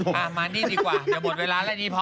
มานี่ดีกว่าเดี๋ยวหมดเวลาแล้วดีพอ